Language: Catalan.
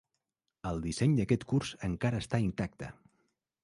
El disseny d'aquest curs encara està intacte.